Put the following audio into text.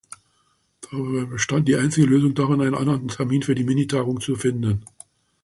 Daher bestand die einzige Lösung darin, einen anderen Termin für die Mini-Tagung zu finden.